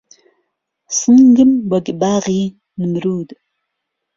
سنگم وەک باغی نمرود